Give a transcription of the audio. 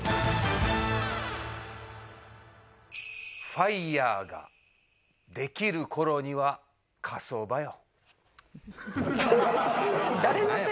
「ＦＩＲＥが出来る頃には火葬場よ」